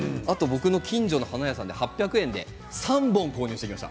近所の花屋さんで８００円で３本、花を購入してきました。